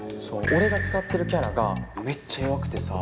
俺が使ってるキャラがめっちゃ弱くてさ。